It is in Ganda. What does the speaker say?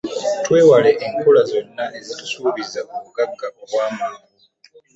Twewale enkola zonna ezitusuubiza obugagga obw'amangu.